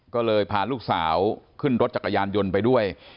ก็เลยพาลูกสาวขึ้นรถจักรยานยนต์ไปด้วย